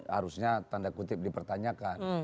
harusnya tanda kutip dipertanyakan